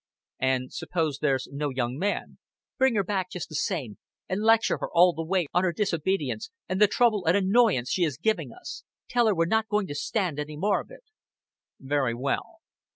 "An' suppose there's no young man." "Bring her back just the same, and lecture her all the way on her disobedience and the trouble and annoyance she is giving us. Tell her we're not going to stand any more of it." "Very well."